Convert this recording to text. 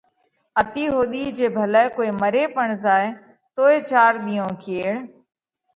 اتِي ۿُوڌِي جي ڀلئہ ڪوئي مري پڻ زائہ توئي چار ۮِيئون ڪيڙ